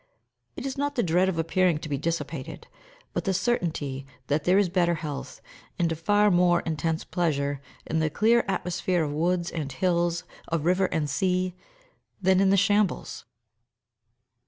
It is not the dread of appearing to be dissipated, but the certainty that there is better health, and a far more intense pleasure, in the clear atmosphere of woods and hills, of river and sea, than in the shambles.